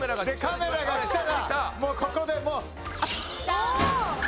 でカメラが来たらここでもう。